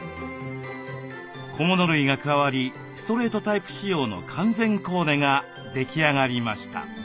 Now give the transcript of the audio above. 小物類が加わりストレートタイプ仕様の完全コーデが出来上がりました。